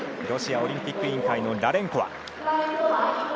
ロシアオリンピック委員会のラレンコワ。